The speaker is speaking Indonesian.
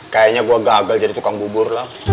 kayaknya gua gagal jadi tukang bubur lam